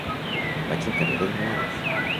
Vaig al carrer de Granados.